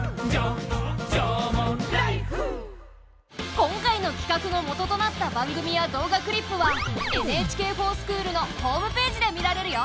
今回の企画のもととなった番組や動画クリップは「ＮＨＫｆｏｒＳｃｈｏｏｌ」のホームページで見られるよ。